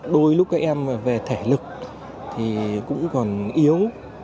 đôi lúc các em về thể lực thì cũng còn yếu